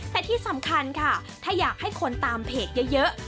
แต่ที่สำคัญค่ะถ้าอยากให้คนตามเพจเยอะ